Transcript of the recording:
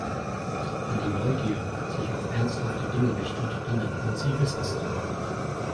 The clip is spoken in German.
Wenn die Neugier sich auf ernsthafte Dinge richtet, dann nennt man sie Wissensdrang.